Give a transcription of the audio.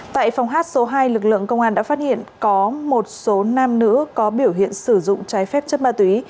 tại phòng hát số hai lực lượng công an đã phát hiện có một số nam nữ có biểu hiện sử dụng trái phép chất ma túy